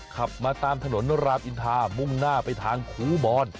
ขับมาตามถนนรามอินทามุ่งหน้าไปทางครูบอน